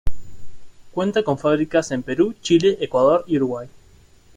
Cuenta con fabricas en Perú, Chile, Ecuador y Uruguay.